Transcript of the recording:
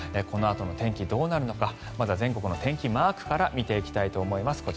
このあとの天気どうなるのかまずは全国の天気、マークから見ていきたいと思います。